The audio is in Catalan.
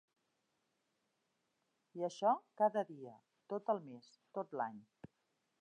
I això cada dia, tot el mes, tot l'any